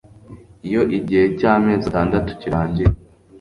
Iyo igihe cy amezi atandatu kirangiye